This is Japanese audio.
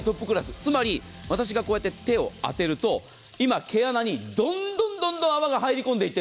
つまり私が手を当てると今、毛穴にどんどん泡が入り込んでいって。